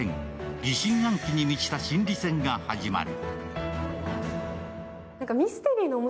疑心暗鬼に満ちた心理戦が始まる。